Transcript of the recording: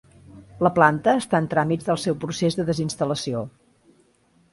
La planta està en tràmits del seu procés de desinstal·lació.